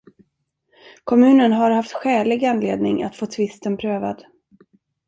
Kommunen har haft skälig anledning att få tvisten prövad.